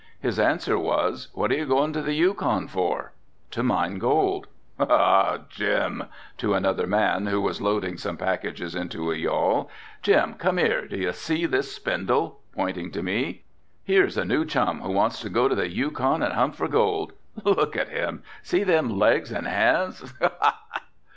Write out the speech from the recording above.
His answer was, "What are you going to the Yukon for?" "To mine gold." "Ha! ha! ha! Jim," to another man who was loading some packages into a yawl, "Jim, come here, do you see this spindle," pointing to me. "Here's a new chum who wants to go to the Yukon and hunt for gold. Look at him, see them legs and hands.